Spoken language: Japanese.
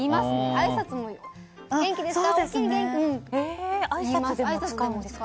あいさつも元気ですか？